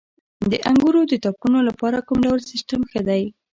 د انګورو د تاکونو لپاره کوم ډول سیستم ښه دی؟